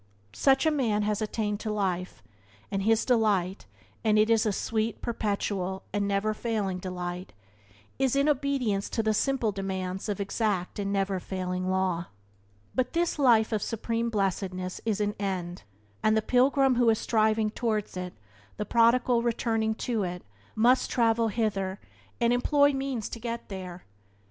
Such a man has attained to life, and his delight (and it is a sweet, perpetual, and never failing delight) is in obedience to the simple demands of exact and never failing law. Byways to Blessedness by James Allen 65 But this life of supreme blessedness is an end, and the pilgrim who is striving towards it, the prodigal returning to it, must travel thither, and employ means to get there.